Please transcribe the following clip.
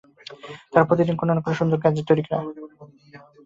তারা প্রতিদিন কোনো না কোনো সুন্দর সুন্দর গ্যাজেট তৈরি করে।